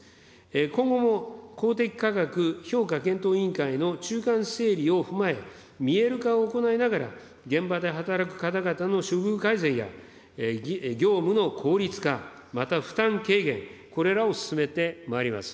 今後も公的価格評価検討委員会の中間整理を踏まえ、見える化を行いながら、現場で働く方々の処遇改善や業務の効率化、また負担軽減、これらを進めてまいります。